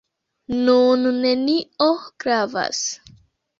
Nun nenio gravas.